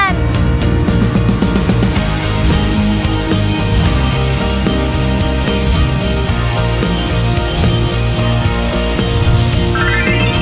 โปรดติดตามตอนต่อไป